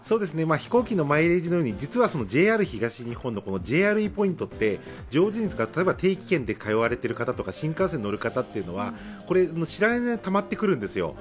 飛行機のマイレージのように、実はＪＲ東日本のＪＲＥポイントというのは定期券で通われている方や新幹線に乗る方は、知らない間にたまってくるんですよ。